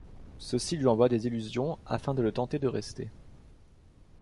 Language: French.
Ceux-ci lui envoient des illusions afin de le tenter de rester.